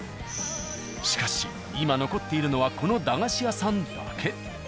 しかし今残っているのはこの駄菓子屋さんだけ。